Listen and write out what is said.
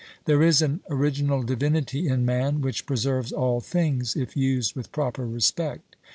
There is an original divinity in man which preserves all things, if used with proper respect.